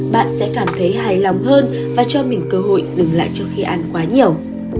bạn sẽ cảm thấy hài lòng hơn và cho mình cơ hội dừng lại trước khi ăn quá nhiều